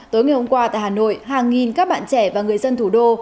tối ngày hôm qua tại hà nội hàng nghìn các bạn trẻ và người dân thủ đô